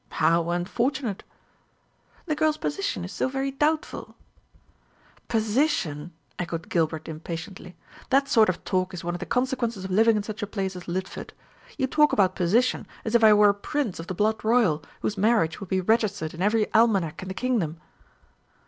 "How unfortunate?" "The girl's position is so very doubtful." "Position!" echoed Gilbert impatiently. "That sort of talk is one of the consequences of living in such a place as Lidford. You talk about position, as if I were a prince of the blood royal, whose marriage would be registered in every almanac in the kingdom."